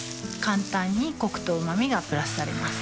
簡単にコクとうま味がプラスされます